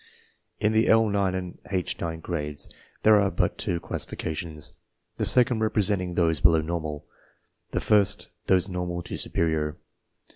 In the L 9 and H 9 grades there are but two classifications, the second representing those below normal, the first those normal or superior.